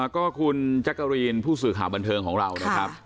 ก็คุณแจ๊กกะรีนผู้สื่อข่าวบันเทิงของเรานะครับ